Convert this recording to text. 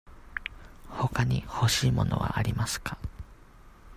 ほかに欲しい物はありますか。